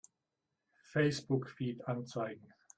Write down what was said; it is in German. Facebook-Feed anzeigen!